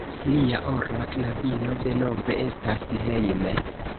Nia ora knabino denove estas hejme!